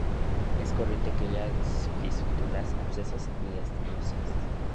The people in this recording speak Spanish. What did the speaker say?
Es corriente que haya fístulas, abscesos y estenosis.